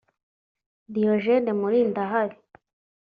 Diogene Mulindahabi